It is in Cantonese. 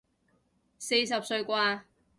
四十歲啩